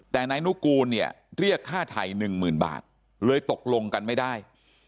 แต่นายนุกูลเรียกค่าไถ่๑หมื่นบาทเลยตกลงกันไม่ได้